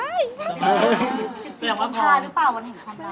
สิบสี่วันที่คอนตะหรือเปล่า